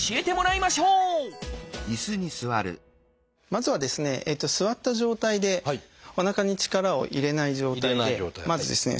まずはですね座った状態でおなかに力を入れない状態でまずですね